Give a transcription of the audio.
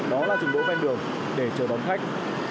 đó là dùng đỗ bên đường để chờ bóng khách